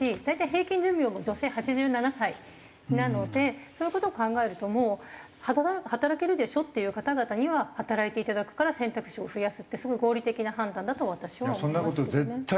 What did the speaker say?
大体平均寿命も女性８７歳なのでそういう事を考えるともう働けるでしょっていう方々には働いていただくから選択肢を増やすってすごい合理的な判断だと私は思いますけどね。